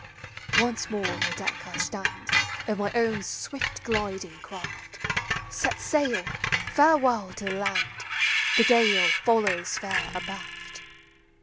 Once more on the deck I stand, Of my own swift gliding craft: Set sail! farewell to the land; The gale follows fair abaft.